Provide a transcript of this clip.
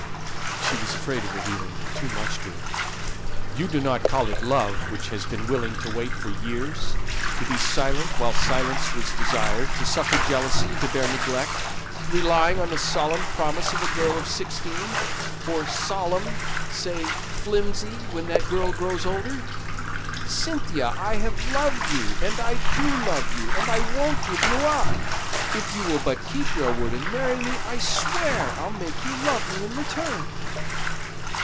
She was afraid of revealing too much to him. "You do not call it love which has been willing to wait for years to be silent while silence was desired to suffer jealousy and to bear neglect, relying on the solemn promise of a girl of sixteen for solemn say flimsy, when that girl grows older. Cynthia, I have loved you, and I do love you, and I won't give you up. If you will but keep your word, and marry me, I'll swear I'll make you love me in return."